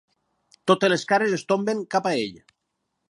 Totes les cares es tomben cap a ell.